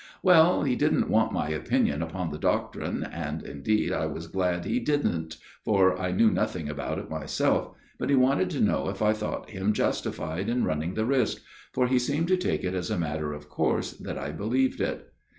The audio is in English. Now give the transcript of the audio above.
" Well, he didn't want my opinion upon the doctrine, and, indeed, I was glad he didn't, for I knew nothing about it myself, but he wanted to know if I thought him justified in running the risk for he seemed to take it as a matter of course that I believed it.